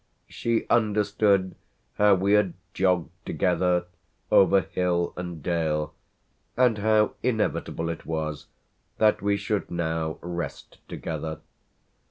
She understood how we had jogged together over hill and dale and how inevitable it was that we should now rest together.